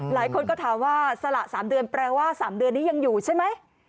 หลายคนก็ถามว่าสละ๓เดือนแปลว่า๓เดือนนี้ยังอยู่ใช่ไหม